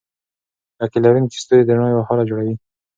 لکۍ لرونکي ستوري د رڼا یوه هاله جوړوي.